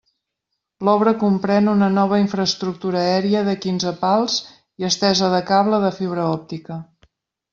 L'obra comprèn una nova infraestructura aèria de quinze pals i estesa de cable de fibra òptica.